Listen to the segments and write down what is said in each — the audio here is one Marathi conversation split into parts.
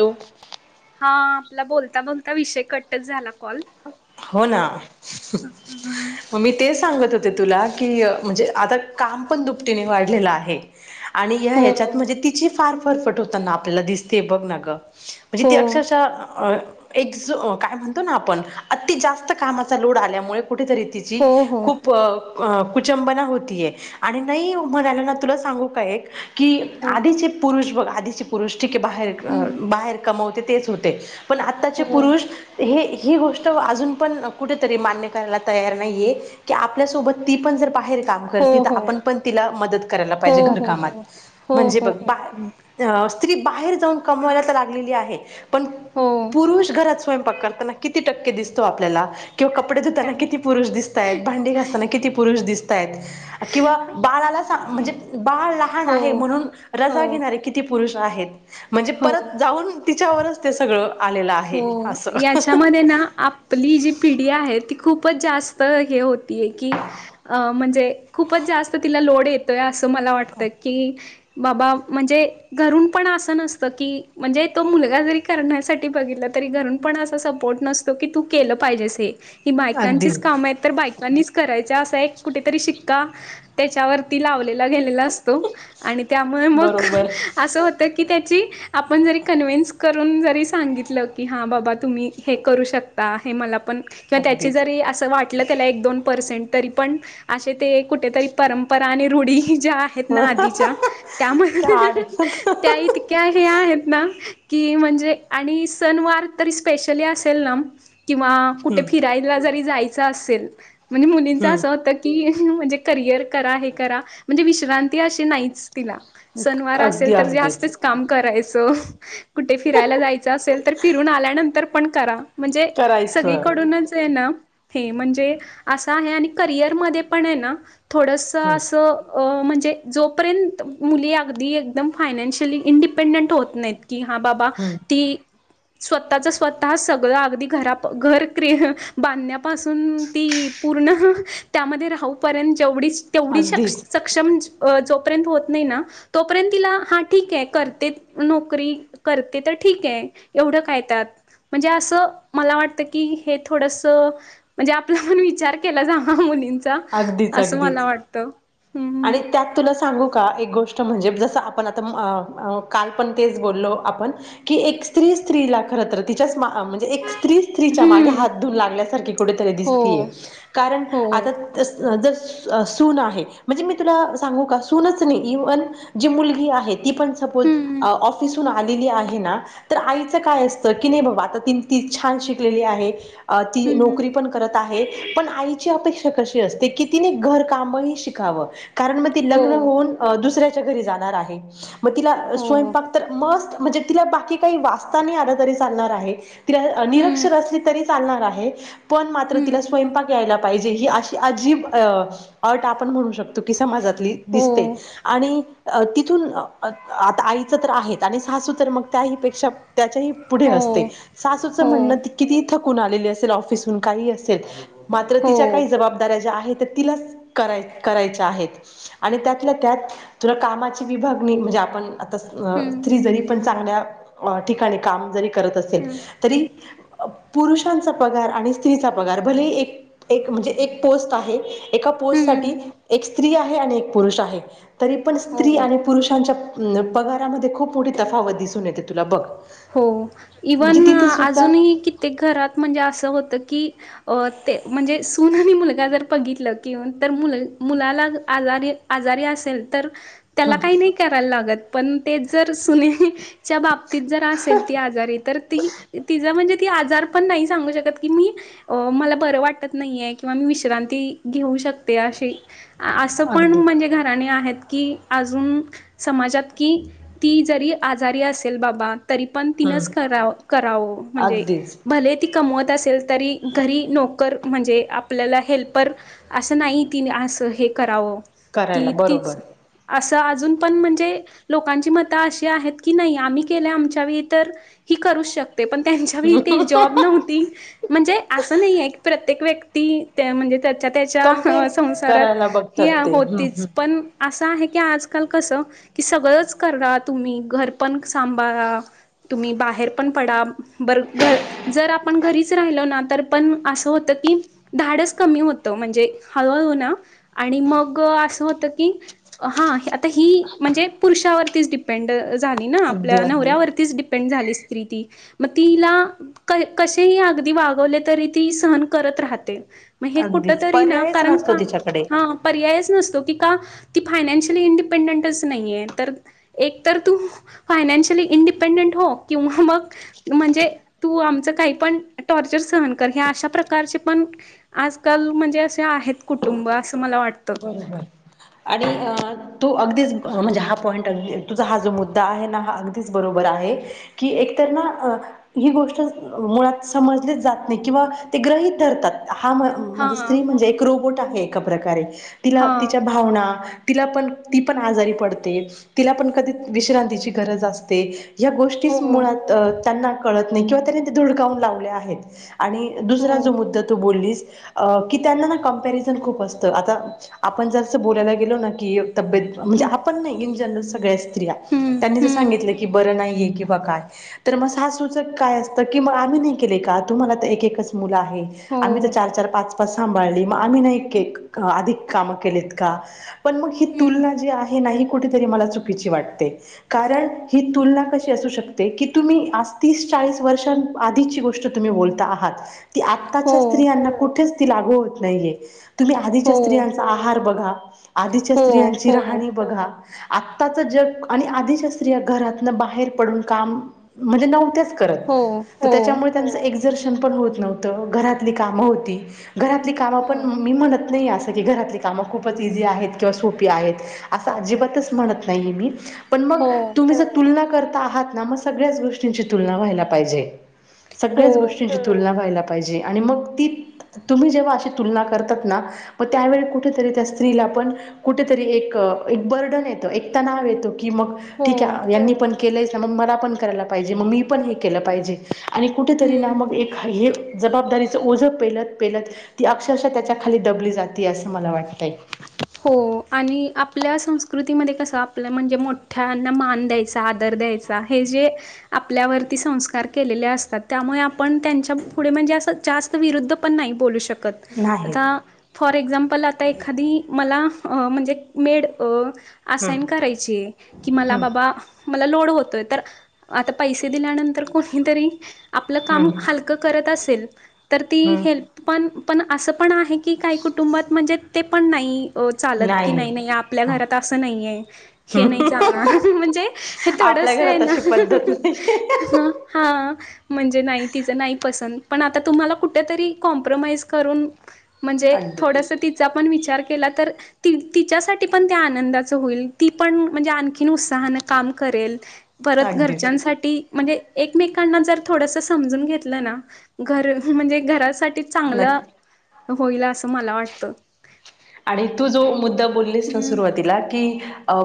हॅलो हा आपला बोलता बोलता विषय कटच झाला कॉल हो ना मग मी तेच सांगत होते तुला की अ म्हणजे आता काम पण दुपटीने वाढलेलं आहे आणि या हो ह्याच्यात म्हणजे तिची फार फरफट होता ना आपल्याला दिसते बघ ना गं म्हणजे हो ती अक्षरशः एक जो काय म्हणतो ना आपण अति जास्त कामाचा लोड आल्यामुळे कुठेतरी तिची हो हो खूप अं अ कुचंबना होतीये आणि नाही म्हणाल्या ना तुला सांगू काय एक की हो आधीचे पुरुष बघ आधीचे पुरुष ठीक हे बाहेर हम्म बाहेर कमवते तेच होते. पण आत्ताचे हो पुरुष हे ही गोष्ट त अजून पण कुठेतरी मान्य करायला तयार नाहीये की आपल्यासोबत ती पण जर बाहेर काम हो करती तर हो आपण पण तिला मदत करायला हो पाहिजे घर हो कामात हो हो म्हणजे हो बघ हो बा अ स्त्री बाहेर जाऊन कमवायला तर लागलेली आहे पण हो पुरुष घरात स्वयंक करताना किती टक्के दिसतो आपल्याला किंवा कपडे धुताना काय किती पुरुष दिसता येत भांडी घासताना किती पुरुष दिसता येत. किंवा बाळाला सां म्हणजे बाळ लहान हो आहे म्हणून हो रजा घेणारे कि ती पुरुष आहेत म्हणजे हो परत जाऊन तिच्यावरच ते सगळं आलेलं आ हो याच्यामध्ये ना आपली जी पिढी आहे ती खूपच जास्त हे होतीय की अं म्हणजे खूपच जास्त तिला लोड येत तय असं मला वाटत की बाबा म्हणजे घरून पण असं नसतं की म्हणजे तो मुलगा जरी करण्यासाठ बघितल तरी घरून पण असा सपोर्ट नसतो की तू केलं पाहिजेस हे की अगदी बायकांचीच कामं हे तर बाय त्यांनीचं करायचा असा एक कुठेतरी शिक्का त्याच्यावरती लावलेला गेलेला अस तो आणि त्यामुळे मग बरोबर असं होतं की त्याची आपण जरी कन्व्हन्स करून जरी सांगितलं की हां बाबा तुम्ही हे करू शकता हे मला पण किंवा त्याची अगदीच जरी असं वाट कि त्याला एक दोन पर्सेंट तरी पण असे ते कुठेतरी परंपरा आणि रूढी ज्या आहेत ना आधीच्या त्यामुळे त्या हं हं आड हं हम्म त्या इत् क्या हे आहेत ना की म्हणजे आणि सणवार तरी स्पेशली असेल ना किंवा कुठे फिराय जरी जायचं असेल म्हणजे मुलींनचं असं हम्म होत की अशी म्हणजे करिअर करा हे करा म्हणजे विश्रांती अशी नाहीच. तीला सणवार अगदी असेल तर अगदीच जास्तच काम करायचं कुठे फिरायला जायचं असेल तर फिरून आल्यानंतर पण करा. म्हणजे करायचं सगळीकडूनच हे ना हे म्हणजे असं आहे आणि करिअरमध्ये पण हे ना थोडस हम्म असं. अं म्हणजे जोपर्यंत मुली अगदी एकदम फायनान्शियली इंडिपेंडंट होत नाहीत. की हा बाबा. हम्म कि स्वतःच स्वतः सगळ अगदी घरा घर क बांधण्यापासून ती पूर्ण त्यामध्ये राहूपर्यंत जेवढीच तेवढी सक्ष अगदीच सक्षम जोपर्यंत होत नाही ना तोपर्यंत तिला हा ठीक आहे करते नोकरी करते तर ठीक आहे एवढं काय त्यात म्हणजे असं मला वाटतं की हे थोडस म्हणजे आपला पण विचार केला जावा मुलींचा अगदीच असं मला अगदीच वाटत हम्म. आणि त्यात तुला सांगू का एक गोष्ट म्हणजे जसं आपण आता काल पण तेच बोललो आपण कि एक स्त्री स्त्रीला खरंत तिच्याच मा म्हणजे एक स्त्री स्त्रीच्या मागे हम्म हात धऊन लागल्यासारखी कुठेतरी हो दिसतीय कारण हो आता जस जर सून आहे. म्हणजे मी तुला सांगू का सूनच नाही इव्हन जी मुलगी आहे ती पण सपोज हम्म ऑफिसून आलेली आहे ना. तर आईचं काय असतं की, नाही बाबा आता ती ती छान शिकलेली आहे. अ ती हम्म नोकरी पण करत आहे पण आईची अपेक्षा कशी असते की तिने घरकामही शिक काव्ह, कारण मग ती हो लग्न होऊन दुसऱ्याच्या घरी जाणार आहे. मग तिला हो स्वयंपाक तर मस्त म्हणजे तिला बाकी काही वाचता नाही आलं तरी चालणार आहे. तिला हम्म निरक्षर असली तरी चालणार आहे पण मात्र तिला हम्म स्वयंपाक यायला पाहिजे ही अशी अजीब अट आपण म्हणू शकतो की समाजातली हो दिसते. आणि तिथून आता आईचं तर आहे आणि सासू तर मग त्याहीपेक्षा त्याच्याही पुढे हो असते सासूच हो म्हणणं किती थकून आलेली असेल ऑफिसहून काही असेल मात्र हो तिच्या काही जबाबदाऱ्या ज्या आहेत त्या तिलाच करायच करायच्या आहेत आणि त्यातल्या त्यात तुला कामाची विभागणी म्हणजे आपण आता हम्म स्त्री जरी पण चांगल्या ठिकाणी काम जरी करत असेल हम्म तरी पुरुषांचा पगार आणि स्त्रीचा पगार भले एक एक म्हणजे एक पोस्ट आहे. एका पोस्ट हम्म साठी एक स्त्री आहे आणि एक पुरुष आहे तरी पण स्त्री हो आणि पुरुषांच्या पगारामध्ये खूप मोठी तफावत दिसून येते तुला बघ. हो म्हणजे इव्हन तिथे सुद्धा अजूनही कित्येक घरात म्हणजे असं होतं की अ ते म्हणजे सून आणि मुलगा जर बघितलं केवल तर मुल मुलालाच आजारी आजारी असेल तर ह त्याला काही नाही करायला लागत पण ते जर सुनेच्या बाबतीत जर असेल ती आजारी आहे तर ती तीच म्हणजे ती आजार पण नाही सांगू शकत की मी अ मला बरं वाटत नाहीे किंवा मी विश्रांती घेऊ शकते अशी असं पण अगदी. म्हणजे घराणे आहेत की अजून समाजात कि ती जरी आजारी असेल बाबा तरी पण हम्म तिनच करावं म्हणजे अगदीच भले ती कमवत असेल तरी घरी नोकर म्हणजे आपल्याला हेल्पर असं नाही तिने असं हे करावं करायला की बरोबर तीच असं अजून पण म्हणजे लोकांची मतं अशी आहेत की नाही आम्ही केल्या आमच्या त्यावेळी तर ही करू शकते पण त्यांच्या भीतीत जॉब नव्हती म्हणजे असं नाहीय की प्रत्येक व्यक्ती त्या म्हणजे त्याच्या त्याच्या कम्पेअर ह संसारात करायला ही बघतात या [unintelligible] ते हम्म हम्म. होतीच पण असं आहे की आजकाल कसं की सगळंच करा तुम्ही घरपण सांभाळा तुम्ही बाहेर पण पडा बर घर जर आपण घरीच राहिलो ना तर पण असं होतं की धाडस कमी होतं म्हणजे हळूहळू ना आणि मग असं होतं की हा आता ही म्हणजे पुरुषावरतीच डिपेंड झाली ना अगदी आपल्या अगदी नवऱ्यावरती तीच डिपेंड झाली स्त्री की, मग तिला कसेही अगदी वागवले तरी ती सहन करत राहते. म्हणजे ना हे कुठ अगदीच तरी ना पर्यायच कारण नसतो का तिच्याकडे. हा पर्यायच नसतो की का ती फायनानशियली इंडिपेंडंटच नाहीये तर एक तर तू फायनान्शियली इंडिपेंडेंट हो किंवा मग म्हणजे तू आमचं काही पण टॉर्चर सहन कर हे अशा प्रकारचे पण आजकाल म्हणजे असे आहेत कुटुंब असं मला वाटतं. बरोबर आणि अ [unintelligible] तू अगदीच म्हणजे हा पॉईंट अगदी तुझा हा जो मुद्दा आहे ना हा अगदीच बरोबर आहे. कि एकतर ना अ ही गोष्ट मुळात समजली जात नाही किंवा ते ग्रही ठरतात हा म्हणजे हां, स्त्री म्हणजे ती एक रोबोट आहे एक प्रकारे तिला हां. तिच्या काही भाव होवना तिला पण ती पण आजारी पडते तिला पण कधी विश्रांतीची गरज असते. या हो, गोष्टीच मुळात त्यांना कळत नाही किंवा त्यांनी ते धुडकावून लावले आहेत आणि दुसरा जो हो. मुद्दा तू बोललीस की त्यांना ना कंपरिझन खूप असत आता आपण जर असं बोलायला गेलो ना की तब्येत म्हणजे हं, आपण नाही इन जनरल सगळे अस हं, त्यां जर हं. सागितल की बर नाही ये की म्हणजे काय तर मग सासुच काय असत कि आम्ही नाही केले का तुम्हाला तर एक, एकच मुलं आहे. हो, आम्ही तर चार, चार, पाच, पाच सांभाळले मग आम्ही नाही आधिक काम केलेत का पण मगही हं. तुलना जि आहे ना ही कुठे तरी मला चुकी वाटते कारण ही तुलना कशी असू शक की तुम्ही आज तीस, चाळीस वर्षां आधीची गोष्ट तुम्ही बोलता आहात की हो, आत्ताच्या स्त्रियांना कुठेच ती लागू होत नाहीय तुम्ही आधीच्या हो, स्त्रियां आहार बघा, आधीच्या हो, स्त्रियांची हो, राहणी बघा आत्ताचं जग आणि आधीच्या स्त्रिया घरातनं बाहेर पडून काम म्हणजे नव्हत्याच करत हो, हो, त्यामुळे त्यांच एक्झर्शन पण होत नव्हतं घारातली काम होती घरातली कामं पण हो, मी म्हणत नाही अस घरातली कामं खूपच इझी आहेत किंवा सोपी आहेत असं अजिबातच म्हणत नाहीे मी पण मग हो, तुम्ही जर तुलना करता आहात ना मग सगळ्याच गोष्टींची तुलना व्हायला पाहिजे. हो, सगळ्याच गोष्टींची तुलना व्हायला पाहिजे मग ती तुम्ही जेव्हा अशी तुलना करतात ना मग त्यावेळी कुठेतरी त्या स्त्रीला पण कुठेतरी एक, एक बर्डन येत एक तणाव येत की मग ठीक हो. आहे यांनी पण केलंयच ना मग मला पण करायला पाहिजे मग मी पण हे केलं पाहिजे आणि कुठे तरी ना हम्म. मग एक हे जबाबदारीचं ओझं पेलत, पेलत ती अक्षरशः त्याच्या खाली दबली जातेय असं मला वाटतय. हो आणि आपल्या संस्कृतीमध्ये कसं आपल्या म्हणजे मोठ्यांना मान द्यायचा, आदर द्यायचा. हे जे आपल्यावरती संस्कार केलेले असतात त्यामुळे आपण त्यांच्या पुढे म्हणजे जास्त विरुद्ध पण नाही बोलू शकत नाही आता फॉर एक्झाम्पल आता एखादी मला म्हणजे मेड हम्म असाइन करायची की मला हम्म बाबा मला लोड होतोय तर आता पैसे दिल्यानंतर कोणीतरी आपलं काम हम्म हल हलक करत असे तर ती हम्म हेल्प पण, पण असं पण आहे की काही कुटुंबात म्हणजे ते पण नाही. चालत की नाही, नाही आपल्या हा घरात असं नाही आहे हे नाही चालणार म्हणजे हे आपल्या थोडस आहे घरात अशी पद्धत नाही ना हां म्हणजे नाही तिचं नाही पसंत पण आता तुम्हाला कुठेतरी कॉम्प्रोमाइज करून म्हणजे अगदी थोडस तिचा पण विचार तिच्या पण आनंदाच होईल ती पण म्हणजे आ आणखी उत्साहने काम करेल परत अगदीच घरच्यांसाठी म्हणजे एकमेकांना जर थोडस समजून घेतलं ना घर म्हणजे घरासाठी चांगलं नक्की [inaudible] होईल असं मला वाटतं. आणि तू जो मुद्दा बोललीस ना हं. सुरुवातीला की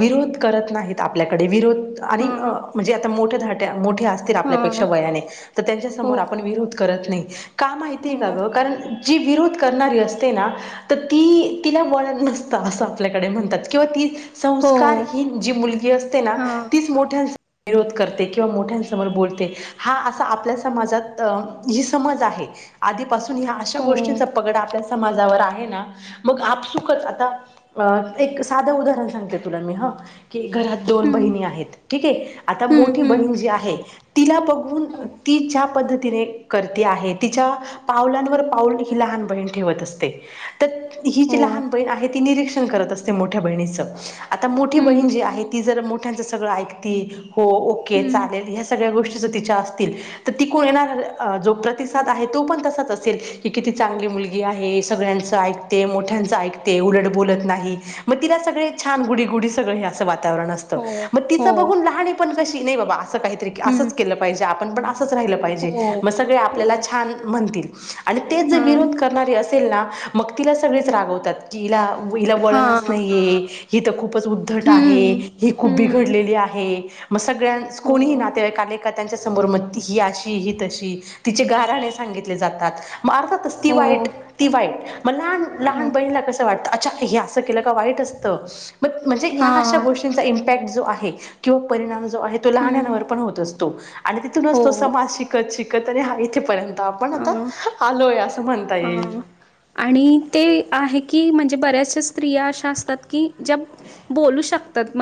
विरोध करत नाहीत आपल्याकडे विरोध आणि हां. म्हणजे आता मोठ्या, धाट्या मोठ्या आपल्यापेक्षा हां. वयाने तर त्यांच्या हो. समोर आपण विरोध करत नाही का माहितीय का हो. ग कारण जी विरोध करणारी असते ना तर ती तिला वळत नसतं असं आपल्याकडे म्हणतात किंवा ती हो. संस्कार ही जी मुलगी असते ना हां. तीच मोठ्या विरोध करते किंवा मोठ्यांसमोर बोलते हा असा आपल्या समाजात अ ही समज आहे आधीपासून ह्या अशा हो. गोष्टींचा पगड आपल्या समाजावर आहे ना मग आपसुकच आता एक साधं उदाहरण सांगते तुला मी ह की घरात दोन हं. बहिणी आहेत ठीक आहे आता हं. मोठी हं. बहीण जी आहे तिला बघून तिच्या पद्धतीने करते आहे तिच्या पावलांवर पाऊल ही लहान बहीण ठेवत असते तर ही जी हो लहान बहीण आहे ती निरीक्षण करत असते मोठ्या बहिणीच आता मोठी बहीण हम्म जी आहे ती जर मोठ्यांचं सगळं ऐकती हो ओके हम्म चालेल ह्या सगळ्या गोष्टी जर तिच्या असतील तर ती कोयना जो प्रतिसाद आहे तो पण तसाच असेल की किती चांगली मुलगी आहे सगळ्यांचं ऐक मोठ्यांच ऐकते उलट बोलत नाही मग तिला सगळे छान गुडी गुडी सगळ हे असं वातावरण असते हो मग तिच हो बघून लहाणी पण कशी नाही बाबा असं काहीतरी हम्म असंच केलं पाहिजे आपण पण असच राहील पाहिजे हो म सगळे हो आपल्याला छान म्हणतील आणि तेच जर हा विरोध करणारी असेल ना मग तिला सगळेच रागवतात हीला हिला हा वळणच नाहीये हि तर खूपच उद्धट आहे हम्म ही खूप हम्म बिघडलेली आहे मग सगळ्यां हो कोणीही नातेवाईकाने त्यांच्या समोर म ही अशी ती तशी तिचे गाराने सांगितले जातात म अर्थात् ती हो वाईट ती वाईट म लहान लहान हा बहीण ला कस वाटत अच्छा हे अस केलं का वाईट असत म्हणजे ह्या हा अशा गो ष्टींचा इम्पॅक्ट जो आहे किव परिणाम जो आहे तो हम्म लहानांवर पण होत असतो आणि तिथूनच हो तो समाज शिकत शिकत आणि हा इथेपर्यंत आपण अ आता आलोय असं म्हणता हा येईल आणि ते आहे की म्हणजे बऱ्याचशा स्त्रिया अशा असतात की ज्या बोलू शकतात